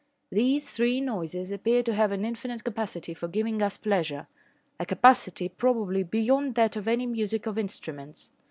These three noises appear to have an infinite capacity for giving us pleasure a capacity, probably, beyond that of any music of instruments.